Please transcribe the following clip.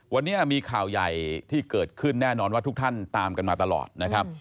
วันนี้มีข่าวใหญ่ที่เกิดขึ้นแน่นอนว่าทุกท่านตามกันมาตลอดนะครับ